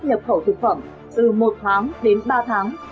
nhập khẩu thực phẩm từ một tháng đến ba tháng